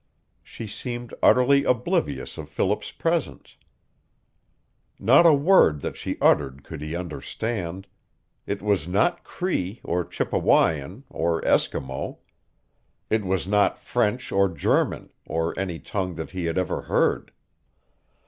She seemed utterly oblivious of Philip's presence. Not a word that she uttered could he understand. It was not Cree or Chippewyan or Eskimo. It was not French or German or any tongue that he had ever heard.